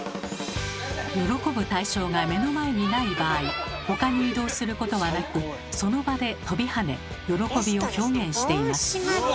喜ぶ対象が目の前にない場合他に移動することはなくその場で跳びはね喜びを表現しています。